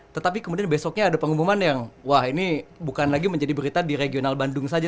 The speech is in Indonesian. tetapi kemudian besoknya ada pengumuman yang wah ini bukan lagi menjadi berita di regional bandung saja